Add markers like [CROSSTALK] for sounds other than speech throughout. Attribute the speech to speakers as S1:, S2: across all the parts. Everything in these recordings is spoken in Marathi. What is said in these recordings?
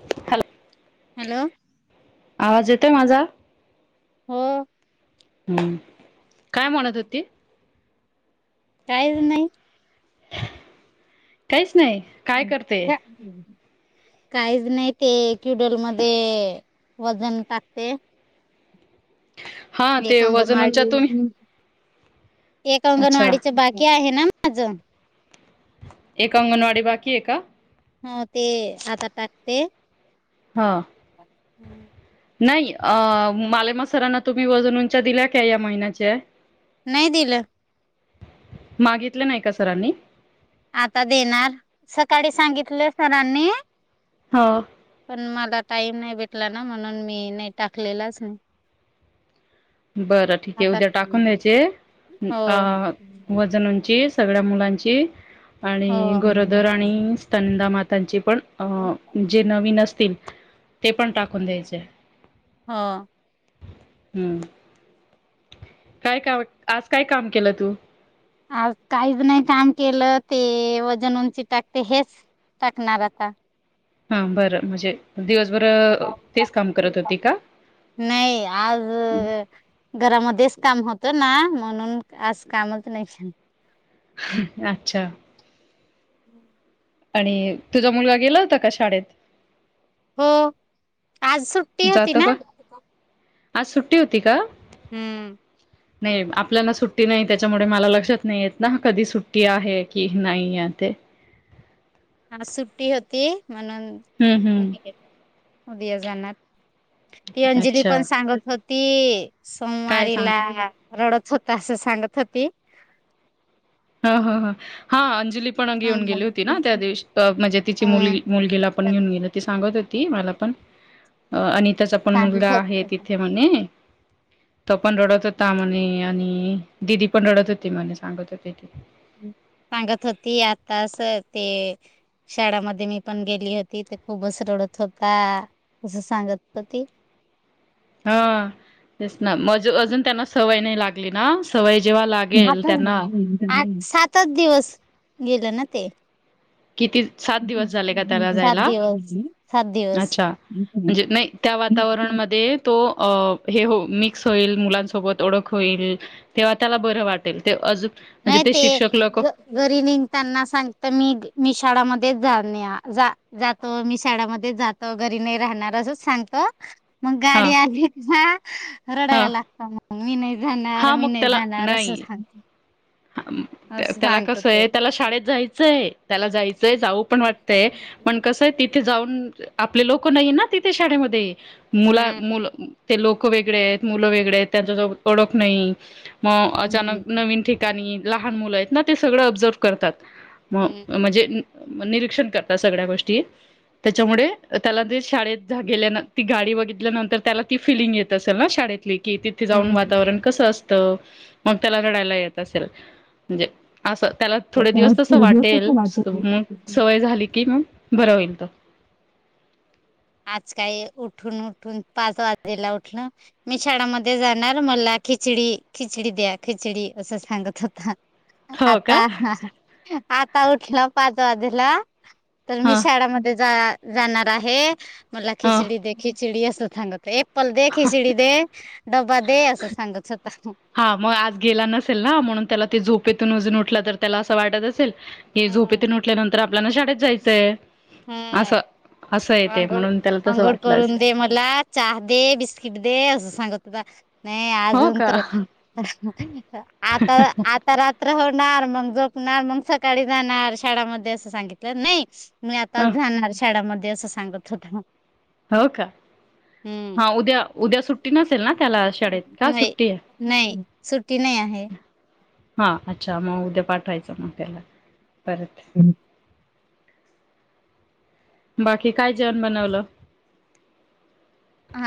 S1: हॅलो
S2: हॅलो
S1: आवाज येतोय माझा
S2: हो
S1: हम्म काय म्हणत होती
S2: काहीच नाही
S1: काहीच नाही काय
S2: हम्
S1: करते?
S2: का काहीच नाही ते क्युडल मध्ये वजन टाकते
S1: हा
S2: एक
S1: ते वजन
S2: अंगणवाडी
S1: उंच्या तुम्ही
S2: एक
S1: अच्छा
S2: अंगणवाडीच बाकी आहे ना माझं
S1: एक अंगणवाडी बाकी एका
S2: हो ते आता टाकते
S1: हा
S2: हम्म
S1: नाही अ मालेमा सरांना तुम्ही वजन उंच्या दिल्या का या महिन्याच्या
S2: नाही दिलं
S1: मागितले नाही का सरांनी
S2: आता देणार सकाळी सांगितलं सरांनी
S1: हो
S2: पण मला टाईम नाही भेटला ना म्हणून मी नाही टाकलेलाच नाही
S1: बरं ठीक आहे
S2: आता
S1: उद्या टाकून द्यायचे
S2: हो
S1: अ वजन उंचीस सगळ्या मुलांची आणि
S2: हो
S1: गरोदर आणि स्नंद मातांचे पण अ जे नवीन असतील ते पण टाकून द्यायचे
S2: हा
S1: हम्म काय काम आज काय काम केलं तू
S2: आज काहीच नाही काम केलं ते वजन उंची टाकते हेच टाकणार आता
S1: हा बरं म्हणजे दिवसभर अ तेच काम करत होती का?
S2: नाही आज घरामध्येच काम होतं ना म्हणून आज कामच नाही ांत
S1: अच्छा
S2: हम्म
S1: आणि तुझा मुलगा गेला होता का शाळेत
S2: हो आज होती
S1: जात
S2: ना
S1: का आज सुट्टी होती का
S2: हम्म
S1: नाही आपल्याला सुट्टी नाही त्याच्यामुळे मला लक्षात नाही येत ना कधी सुट्टी आहे की नाही ते
S2: हा सुट्टी होती म्हणून
S1: हम्म हम्म
S2: उदया जाणार ती अंजली पण
S1: अच्छा
S2: सांगत होत ती
S1: काय सांग
S2: सोमवारीला रडत होता अस साांगत होती
S1: ह ह हा अंजली पण येऊन
S2: हम्म
S1: गेली होती ना त्या दिवशी म्हणजे तिची मुल
S2: हम्म
S1: मुलगीला आपण घेऊन गेल ती सांगत होती मला पण आणिनि त्याच पण मुलगा
S2: सांगत
S1: आहे
S2: होती.
S1: तिथे म्हणे तो पण रडत होता म्हणे आणि दिदी पण रडत होती म्हणे सांगत होते ती
S2: सांगत होती आताच ते शाळेमध्ये मी पण गेली होती ते खूपसरडत होता असं सांगत होती
S1: हा दिस ना मज अजून त्यांना सवय नाही लागते लाली ना सवय जेव्हा लागेल त्यांना
S2: आठच आठ सातच दिवस गेलं ना ते
S1: किती सात दिवस झाले का त्याला
S2: सात
S1: जायला
S2: दिवस सात दिवस
S1: अच्छा म्हणजे नाही त्या वातावरणमध्ये तो हे हो मिक्स होईल मुलांसोबत ओळख होईल तेव्हा त्याला बरं वाटेल ते अज
S2: नय ते घरी निघताना सांगत मी मिशाळामध्येच जाणे जातो मी शाळामध्ये जातो घरी नाही राहणार असंच सांगतो मग
S1: हा
S2: गाडी आली का
S1: हा
S2: रडायला लागत मग मी नाही जाणार
S1: हा
S2: मी
S1: मग
S2: नाही
S1: त्याला
S2: जाणार असं
S1: नाही
S2: सांग
S1: त्याला
S2: तो.
S1: कसंय त्याला शाळेत जायचंय त्याला जायचं जाऊ पण वाटतय पण कसं आहे तिथे जाऊन आपले लोक नाही ना तिथे शाळेमध्ये मुला
S2: हम्म
S1: मु ते लोक वेगळे आहेत मुलं वेगळे आहेत त्यांचा जो ओळख नाही मग अचानक
S2: हम्म.
S1: नवीन ठिकाणी लहान मुलं आहेत ना ते सगळं ऑब्झर्व करतात म म्हणजे निरीक्षण करतात सगळ्या गोष्टी त्याच्यामुळे त्याला जे शाळेत गेल्या ती गाडी बघितल्यानंतर त्याला ती फिलिंग येते ना शाळेतली की तिथे जाऊन वातावरण कसं असतं मग त्याला रडायला येत असल म्हणजे असं त्याला थोडे
S2: आज
S1: दिवस तसं
S2: थोडे दिवस
S1: वाटेल
S2: कसं वाटेल.
S1: मग सवय झाली की मग बर होईल तर
S2: आज काही उठून उठून पाच वाजेला उठलं. मी शाळामध्ये जाणार मला खिचडी खिचडी द्या खिचडी असं सांगत होता.
S1: हो
S2: आता
S1: का
S2: आता उठलं पाच वाजेला. तर मी
S1: ह
S2: शाळामध्ये जा जाणार आहे. मला
S1: ह
S2: खिचडी दे खिचडी असं सांगत होता एप्पल दे, खिचडी दे. डबा दे असं सांगत होता.
S1: हा मग आज गेला नसेल ना म्हणून त्याला ते झोपेतून अजून उठलं तर त्याला असं वाटत असेल. हे
S2: हम्म.
S1: झोपेतून उठल्यानंतर आपल्याला शाळेत जायचंय.
S2: हम्म
S1: असं असं येते
S2: अंघोळ
S1: म्हणून त्याला तसं
S2: आघोळ
S1: वाटलं
S2: करून
S1: असेल
S2: दे मला. चहा दे बस्किट दे आस सांगत होता. नाही
S1: हो
S2: अजून
S1: का
S2: तर आता आ तर आता रात्र होणार मग झोपणार मग सकाळी जाणार शाळामध्ये असं सांगितलं नाही. मी आता
S1: अ
S2: जाणार शाळामध्ये असं सांगत होता.
S1: हो का
S2: हम्म.
S1: हा उद्या उद्या सुट्टी नसेल ना त्याला शाळेत का
S2: नाही
S1: सुट्टी आहे.
S2: नाही सुट्टी नाही आहे.
S1: हां अच्छा मग उद्या पाठवायचं मग त्याला परत.
S2: [INAUDIBLE]
S1: बाकी काय जेवण बनवलं.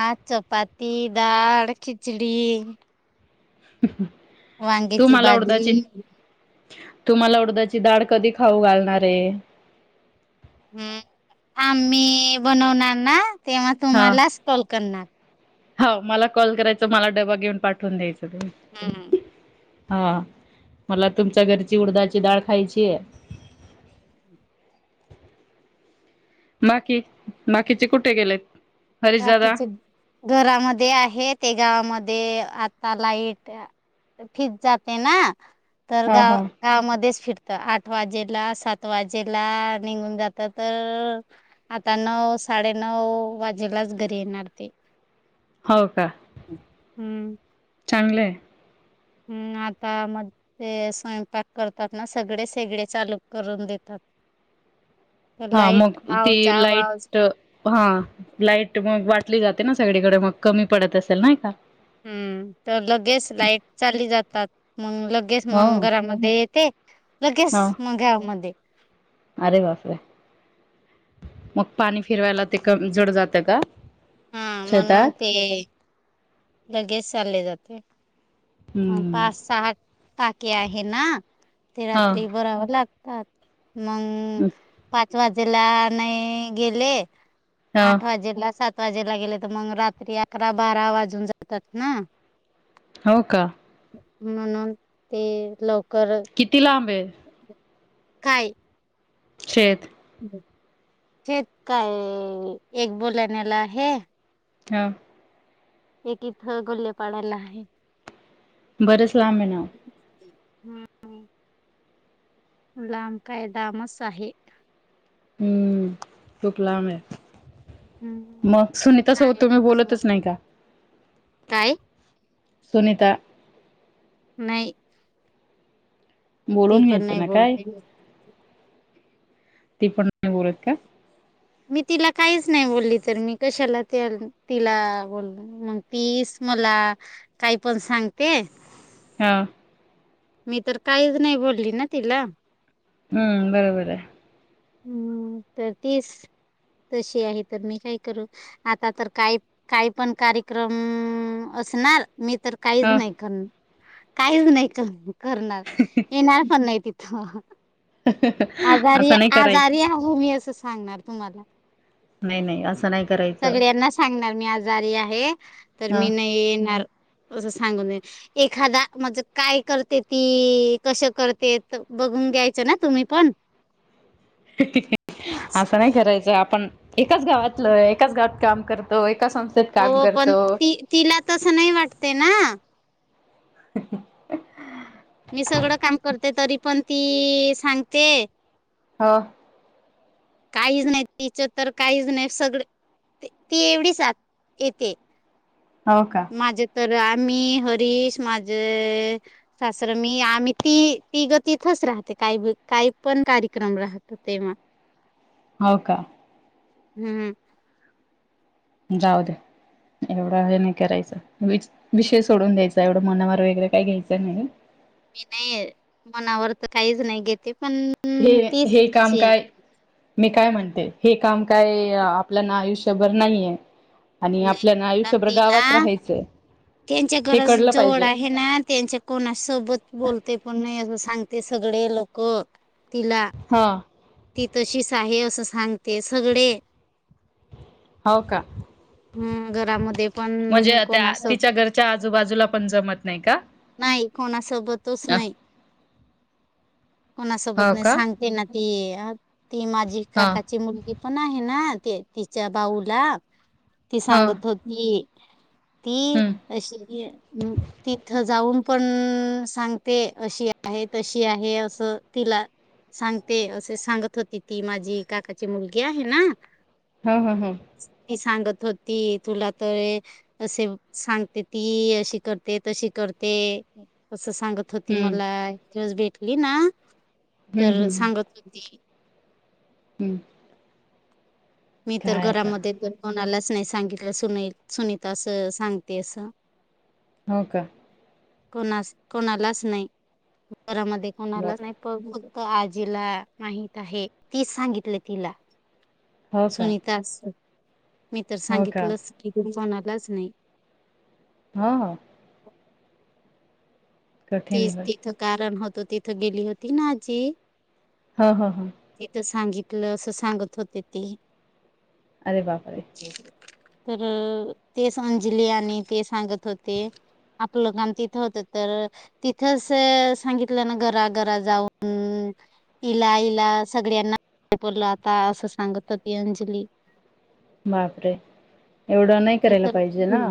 S2: आज चपाती, डाळ, खिचडी. वांग्याची
S1: तूम्हाला उडदाचे
S2: भाजी
S1: तु मला उडदाची डाळ कधी खाऊ घालणार आहे.
S2: हम्म आम्ही बनवणार ना तेव्हा
S1: हा.
S2: तुम्हाला कॉल करणार.
S1: हो मला कॉल करायच मला डबा घेऊन पाठवून
S2: हम्म
S1: द्यायच. हा मला तुमच्या घरची उडदाची डाळ खायची आहे. बाकी बाकीचे कुठे गेलेत? हरीश दादा
S2: बाकीचे घरामध्ये आहे ते गावामध्ये आता लाईट फिज जाते ना तर
S1: हा
S2: गाव
S1: हा.
S2: गावामध्येच फिरतात आठ वाजेला सात वाजेला निघून जात तर आता नऊ साडेनऊ वाजेलाच घरी येणार ते.
S1: हो का
S2: हम्म
S1: चांगलंय.
S2: हम्म आता मग ते स्वयंपाक करतात ना सगळे शेगडी चालू करून देतात. तर
S1: हा
S2: लाईट
S1: मग ती
S2: आव जाव आव जा-
S1: लाईट हा लाईट मग वाटली जाते ना सगळीकडे मग कमी पडत असेल नाही का.
S2: हम्म तर लगेच लाईट चाली जातात मग लगेच मग
S1: हो.
S2: घरामध्ये येते.
S1: हा
S2: लगेच म गावामध्ये.
S1: अरे बापरे मग पाणी फिरवायला ते का जड जात का?
S2: हा म्हणून
S1: शेतात
S2: ते लगेच चालले जाते.
S1: हम्म
S2: पाच सहा टाकी आहे ना. ते
S1: हा
S2: रात्री भरावा लागत. मग पाच वाजेला नाही गेले.
S1: हा.
S2: आठ वाजेला सात वाजेला गेले तर मग रात्री अकरा बारा वाजून जातात ना.
S1: हो का
S2: म्हणून ते लवकर
S1: किती लांब आहे?
S2: काय?
S1: शेत.
S2: तेच काय एक बोलाण्याला आहे.
S1: हां
S2: एक इथं गुल्लेपाढाला आहे.
S1: बरंच लांब ये ना ओ
S2: हम्म हम् लांब काय दामस आहे.
S1: हम्म खूप लांब ये. मग सुनीता सोबत तुम्ही बोलतच नाही का?
S2: काय?
S1: सुनीता
S2: नाही. ती
S1: बोलून
S2: पण
S1: घ्यायचं
S2: नाही
S1: ना काय?
S2: बोलते.
S1: ती पण न [INAUDIBLE] बोलत का?
S2: मी तिला काईच नाय बोलली तर मी कशाला त्याल तिला बोलल मंग तीस मला काय पण सांगते.
S1: हां
S2: मी तर काहीच नाय बोलली ना तिला
S1: हम्म बरोबर हाय.
S2: हूं तर तीस तशी आहे तर मी काय करू आता तर काय काय पण कार्यक्रमं असणार मी तर काहीच
S1: ह
S2: नाय कण काहीच नाय कर करणार येणार पण नाय तिथ ह ह आजारी य
S1: असं नाही
S2: आजारी
S1: करायचं
S2: आहो मी असं सांगणार तुम्हाला
S1: नय नय असं नाय
S2: सगळ्यांना सांगणार मी आजारी आहे तर
S1: ह
S2: मी नही येणार. असं सांगून देईन एखादा म्हजे काय करते ती कस करते त बघून घ्यायचं ना तुम्ही पण
S1: [UNINTELLIGIBLE] असं नाय करायचं आपण एकाच गावातलं एकाच गावात काम करतो एका संस्थ
S2: हो पण ती तिला तसं नाय वाटते ना
S1: [UNINTELLIGIBLE]
S2: मी सगड काम करते तरी पण ती सांगते.
S1: हा
S2: काईज नाय तिच तर काईज नाय सगड ते ती एवढी सा [INAUDIBLE] येते.
S1: हो का.
S2: माझे तर आम्ही हरीश माझअअ सासर मी आम्ही ती तिघ तिथंच राहत काय बी काय पण कार्यक्रम राहतो तेव्हा
S1: हो का
S2: हम्म
S1: जाऊ दया एवढा हे नाय करायच द्यायच विषय सोडून द्यायचा एवढं मनावर वगैरे काय घ्यायचं नाही.
S2: मी नई मनावर त काहीच नाही घेते पण
S1: हे
S2: तीच
S1: हे काम
S2: तशी आहे
S1: काय मी काय म्हणते हे काम काय आपल्याला आयुष्यभर नाहीये. आणि
S2: नाही
S1: आपल्याला
S2: पण
S1: आयुष्यभर
S2: ती ना
S1: गावात राहायचंय
S2: त्यांच्या
S1: हे
S2: घरज
S1: कळलं
S2: जवड
S1: पाहिजे
S2: आहे ना त्यांच्या कोणा सोबत बोलते पण नाय असं सांगते सगळे लोक तिला
S1: हा
S2: ती तशीच आहे असं सांगते सगडे
S1: हाव का.
S2: हम्म घरामध्ये पण
S1: म्हणजे त्या
S2: कोणासोब
S1: तिच्या घरच्या आजूबाजूला पण जमत नाही का?
S2: नाही कोणासोबतच
S1: अ
S2: नाही कोणासोबत
S1: हो
S2: नाय
S1: का
S2: सांग ती ना ती -ती माझी
S1: हा
S2: काकाची मुलगी पण आहे ना ते तिच्या बाऊला ती
S1: ह
S2: सांगत होती. ती
S1: हम्म
S2: अशी ए मं तिथ जाऊन पण सांगते अशी आहे, तशी आहे, असं तिला. सांगते असे सांगत होती, ती माझी काकाची मुलगी आहे आहे ना.
S1: हा, हा, हा!
S2: ती सांगत होती तुला त ये असे सांगते ती अशी करते, तशी करते, असं सांगत थोती
S1: हम्म
S2: मला दिवस भेटली ना
S1: हम्म
S2: तर
S1: हम्म
S2: सांगत होती
S1: [INAUDIBLE]
S2: मी तर
S1: काय आता
S2: घरामध्ये कोणालाच नाही सांगितलं, सुने सुनीता असं सांगते असं.
S1: हो का?
S2: कोणास कोणालाच नाही घरामध्ये कोणाला
S1: बापर
S2: नाही. प फक्त आजीला माहित आहे, तीच सांगितल तिला.
S1: हो का
S2: सुनीता अस, मी तर
S1: हो का
S2: सांगितलंच की कुणी कोणालाच नाही.
S1: हा हा! कठीण
S2: तीच
S1: आहे
S2: तिथं कारण होतो, तिथं गेली होती ना आजी.
S1: हा हा हा!
S2: इथं सांगितलं असं सांगत होते ते
S1: अरे बापरे
S2: तर तेच अंजली आणि ते सांगत होते आपलं काम तिथं होतं तर तिथच सांगितलं ना घराघरा जाऊन. इला, इला, सगळ्यांना वापरल आता असं सांगत होती अंजली.
S1: बापरे! एवढं नाही
S2: ती
S1: करायला
S2: तर
S1: पाहिजे ना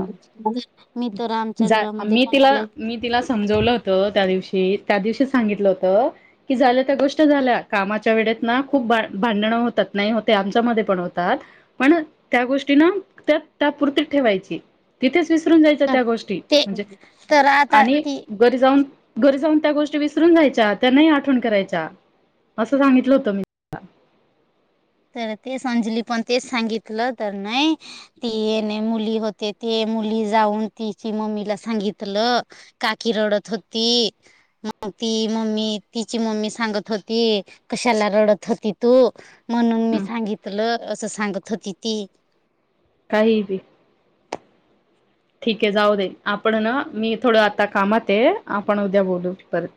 S2: मी तर आमच्या
S1: जा
S2: घरामध्ये
S1: मी तिला
S2: कोणाला
S1: मी. तिला समजवलं होत त्या दिवशी, त्या दिवशी सांगितलं होत. कि झाल्या त्या गोष्ट झाल्या, कामाच्या वेडेत ना खूप भांडणं होतात. नाही होते आमच्यामध्ये पण होतात, पण त्या गोष्टी ना त्या त्यापूर्ती ठेवायची. तिथेच विसरून जायच्या त्या गोष्टी,
S2: ते
S1: म्हणजे
S2: तर आता
S1: आणि
S2: ती
S1: गरी जाऊन. घरी जाऊन त्या गोष्टी विसरून जायच्या, त्यां नाही आठवण करायच्या असं सांगितलं होतं मी.
S2: तर ते अंजली पण तेच सांगितलं, तर नाही ती एने मुली होते ते मुली जाऊन तिची मम्मीला सांगितलं. काकी रडत होती, मग ती मम्मी तिची मम्मी सांगत होती. कशाला रडत होती तू म्हणून मी
S1: हं.
S2: सांगितलं, असं सांगत होती ती.
S1: काही बी. ठीक हे जाऊ दे, आपण हे ना मी थोडं आता कामात हे, आपण उद्या बोलू परत.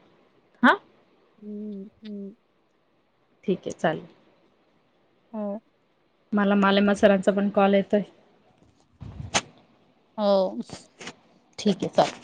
S1: हा
S2: हूं हूं!
S1: ठीक हे चालेल.
S2: हो!
S1: माला मालेमा सरांचा पण कॉल येतोय.
S2: हो!
S1: ठीक हे चाल.